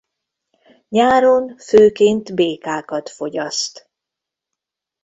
Nyáron főként békákat fogyaszt.